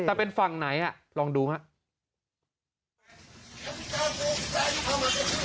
แต่เป็นฝั่งไหนอ่ะลองดูไหม